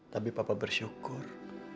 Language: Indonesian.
tapi papa bersyukur